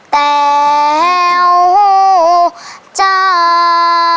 แต่วจ๋า